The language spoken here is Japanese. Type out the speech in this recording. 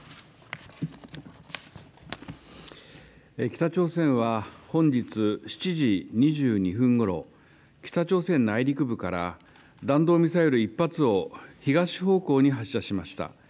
北朝鮮は本日７時２２分ごろ、北朝鮮内陸部から弾道ミサイル１発を、東方向に発射しました。